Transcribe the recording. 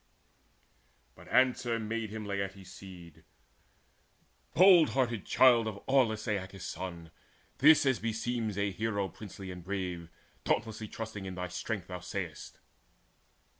But answer made to him Laertes' seed: "Bold hearted child of aweless Aeacus' son, This as beseems a hero princely and brave, Dauntlessly trusting in thy strength, thou say'st.